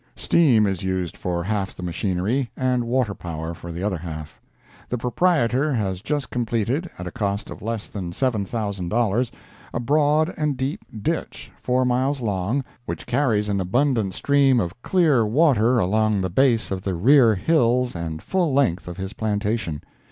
Steam is used for half the machinery, and water power for the other half. The proprietor has just completed, at a cost of less than $7,000, a broad and deep ditch, four miles long, which carries an abundant stream of clear water along the base of the rear hills and full length of his plantation.